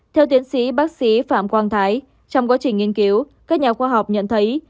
theo tiến sĩ bác sĩ phạm quang thái trong quá trình nghiên cứu các nhà khoa học nhận thấy